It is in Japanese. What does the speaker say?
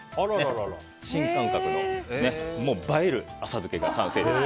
新感覚の映える浅漬けが完成です。